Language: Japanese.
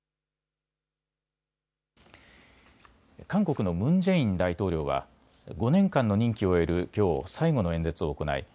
韓国のムン・ジェイン大統領は５年間の任期を終えるきょう最後の演説を行い